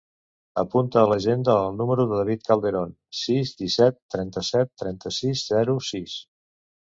Apunta a l'agenda el número del David Calderon: sis, disset, trenta-set, trenta-sis, zero, sis.